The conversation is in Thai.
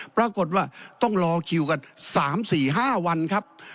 ปรากฏว่าต้องรอคิวกัน๓๔๕วันครับ